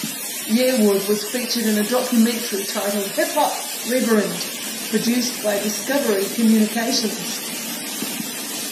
Yearwood was featured in a documentary titled "Hip Hop Reverend" produced by Discovery Communications.